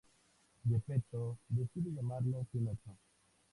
Geppetto decide llamarlo "Pinocho".